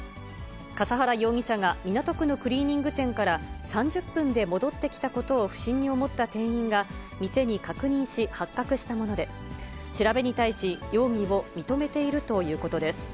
笠原容疑者が、港区のクリーニング店から３０分で戻ってきたことを不審に思った店員が、店に確認し、発覚したもので、調べに対し、容疑を認めているということです。